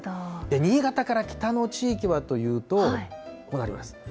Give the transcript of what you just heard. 新潟から北の地域はというと、こうなります。